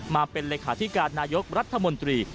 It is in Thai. มาเป็นเลขาธิการนายกรัฐมนตรี